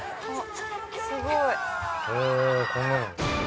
すごい。